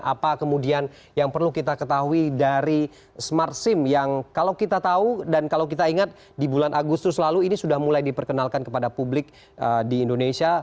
apa kemudian yang perlu kita ketahui dari smart sim yang kalau kita tahu dan kalau kita ingat di bulan agustus lalu ini sudah mulai diperkenalkan kepada publik di indonesia